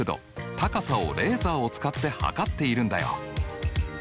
高さをレーザーを使って測っているんだよ。